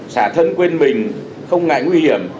xả thân quên mình không ngại nguy hiểm